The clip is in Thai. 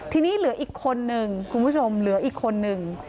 ทีนี้เหลืออีกคนนึงคุณผู้ชมเหลืออีกคนนึง